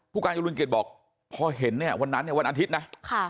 ผู้การจรุลเกียรติบอกพอเห็นเนี้ยวันนั้นเนี้ยวันอาทิตย์นะค่ะ